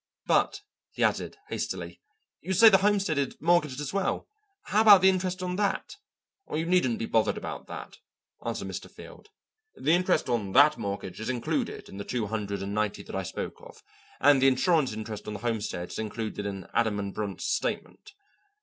But," he added, hastily, "you say the homestead is mortgaged as well; how about the interest on that?" "You needn't be bothered about that," answered Mr. Field. "The interest on that mortgage is included in the two hundred and ninety that I spoke of, and the insurance interest on the homestead is included in Adams & Brunt's statement.